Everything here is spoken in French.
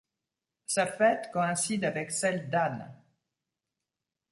Sa fête coïncide avec celle d'Anne.